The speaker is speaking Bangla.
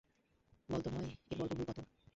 বল তো নয়-এর বর্গমূল কত?